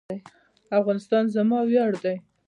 افغانستان زما ویاړ دی؟